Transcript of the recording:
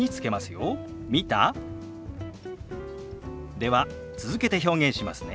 では続けて表現しますね。